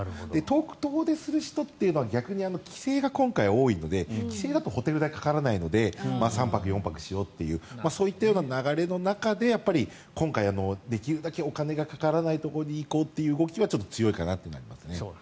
遠出する人は逆に帰省が今回多いので帰省だとホテル代がかからないので３泊、４泊しようというそういったような流れの中で今回できるだけお金がかからないところに行こうという動きが強いかなと思いますね。